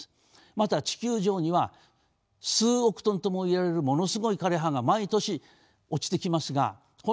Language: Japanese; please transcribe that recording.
また地球上には数億トンとも言われるものすごい枯れ葉が毎年落ちてきますがこの有効利用はありません。